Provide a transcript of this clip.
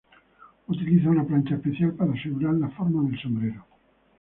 Utiliza una plancha especial para asegurar la forma del sombrero.